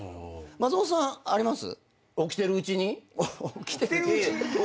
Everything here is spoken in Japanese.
松本さんあります？